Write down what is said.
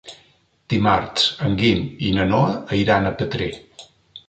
Dimarts en Guim i na Noa iran a Petrer.